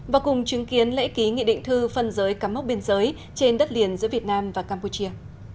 và cùng chứng kiến lễ ký nghị định thư phân giới cắm mốc biên giới trên đất liền giữa việt nam và campuchia